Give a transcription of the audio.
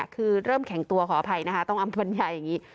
คือเริ่มแข็งตัวขออภัยนะคะต้องอำพญาอย่างนี้